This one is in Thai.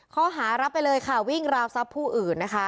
ข้อหารับไปเลยค่ะวิ่งราวทรัพย์ผู้อื่นนะคะ